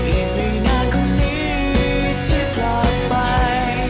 อีกไม่นานคนนี้จะกลับไป